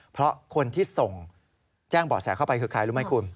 เพราะคนที่ส่งแจ้งเบาะแสเข้าไปคือใครรู้ไหมคุณ